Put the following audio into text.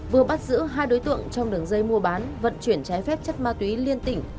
vừa bắt giữ hai đối tượng trong đường dây mua bán vận chuyển trái phép chất ma túy liên tỉnh